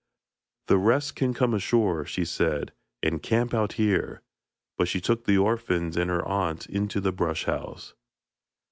'The rest can come ashore,' she said, 'and camp out here,' but she took the orphans and her aunt into the brush house.